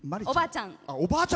おばあちゃん。